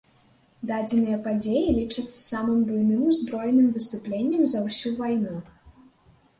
Дадзеныя падзеі лічацца самым буйным узброеным выступленнем за ўсю вайну.